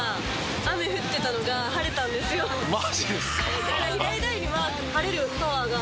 マジですか！？